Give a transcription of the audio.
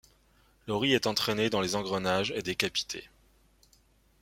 Lori est entraînée dans les engrenages et décapitée.